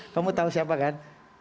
kamu tahu siapa kan